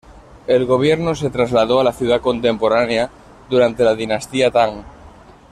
El gobierno se trasladó a la ciudad contemporánea durante la dinastía Tang.